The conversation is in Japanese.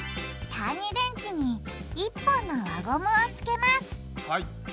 単２電池に１本の輪ゴムをつけます